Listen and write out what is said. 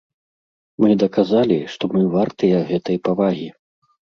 Мы даказалі, што мы вартыя гэтай павагі.